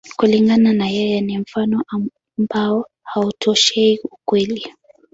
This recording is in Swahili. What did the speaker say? Kulingana na yeye, ni mfano ambao hautoshei ukweli.